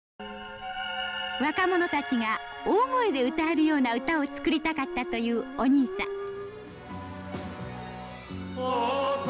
若者たちが大声で歌えるような歌を作りたかったというお兄さん。